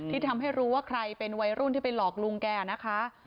ที่ทำให้รู้ว่าใครเป็นวัยรุ่นที่ไปหลอกลุงแกนะคะ